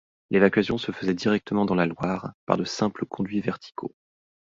L'évacuation se faisait directement dans la Loire, par de simples conduits verticaux.